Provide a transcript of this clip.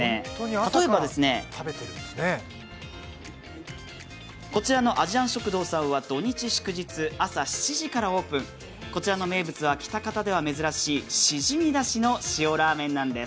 例えば、こちらのあじ庵食堂さんは土日祝日朝７時からオープン、こちらの名物は喜多方では珍しいしじみだしの塩ラーメンなんです。